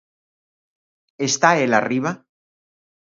_¿Está el arriba?